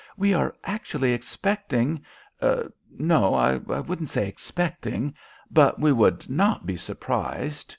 We are actually expecting ... no, I won't say expecting ... but we would not be surprised